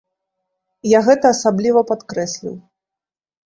Я гэта асабліва падкрэсліў.